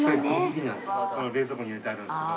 冷蔵庫に入れてあるんですけど。